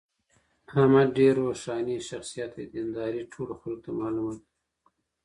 احمد ډېر روښاني شخصیت دی. دینداري ټولو خلکو ته معلومه ده.